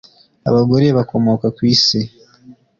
abagore bakomoka kwisi